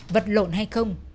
vật lộn hay không